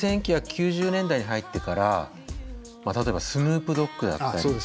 １９９０年代に入ってから例えばスヌープ・ドッグだったり。